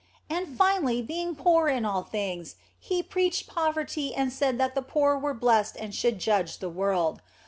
And finally, being poor in all things, He preached poverty and said that the poor were blessed and should judge the world.